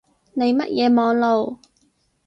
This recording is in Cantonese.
你乜嘢網路